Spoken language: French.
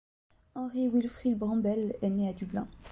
Henry Wilfrid Brambell est né à Dublin.